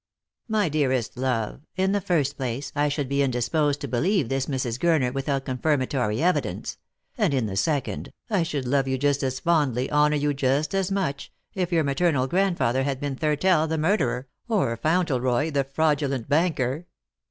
" My dearest love, in the first place, I should be indisposed to believe this Mrs. Gurner without confirmatory evidence ; and in the second, I should love you just as fondly, honour you just as much, if your maternal grandfather had been Thurtell the murderer, or Fauntleroy the fraudulent banker."